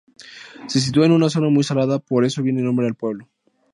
Se sitúa en una zona muy salada, por eso viene el nombre al pueblo.